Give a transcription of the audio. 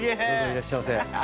いらっしゃいませ。